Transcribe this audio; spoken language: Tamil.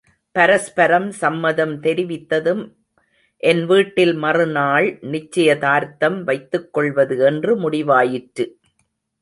பரஸ்பரம் சம்மதம் தெரிவித்ததும் என் வீட்டில் மறுநாள் நிச்சயதார்த்தம் வைத்துக் கொள்வது என்று முடிவாயிற்று.